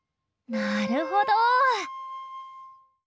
なるほど。